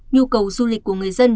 nhu cầu du lịch của người dân